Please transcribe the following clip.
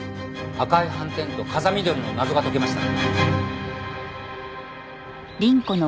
赤い斑点と風見鶏の謎が解けました。